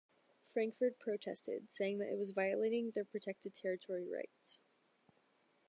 Frankford protested, saying that it was violating their protected territory rights.